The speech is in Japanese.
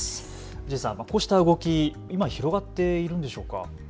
氏家さん、こうした動き、今広がっているんでしょうか。